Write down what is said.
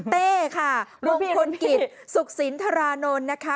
เต้ค่ะลงคนกิจศุกษิณธรานนทร์นะคะ